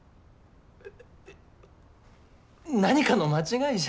えっ何かの間違いじゃ？